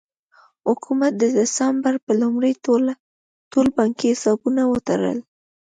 حکومت د ډسمبر په لومړۍ ټول بانکي حسابونه وتړل.